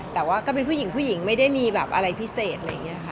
แต่ว่าก็เป็นผู้หญิงผู้หญิงไม่ได้มีแบบอะไรพิเศษอะไรอย่างนี้ค่ะ